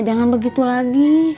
jangan begitu lagi